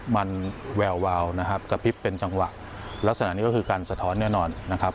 มันแวววาวนะครับกระพริบเป็นจังหวะลักษณะนี้ก็คือการสะท้อนแน่นอนนะครับ